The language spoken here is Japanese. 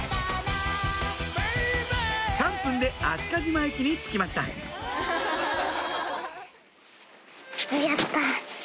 ３分で海鹿島駅に着きましたまにあった。